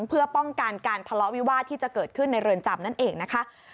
เพื่อป้องกันการทะเลาะวิวาสที่จะเกิดขึ้นในเรือนจำนั่นเองนะคะ